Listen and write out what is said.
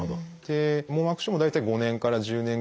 網膜症も大体５年から１０年ぐらい。